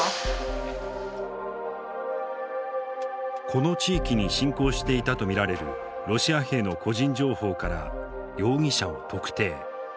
この地域に侵攻していたと見られるロシア兵の個人情報から容疑者を特定。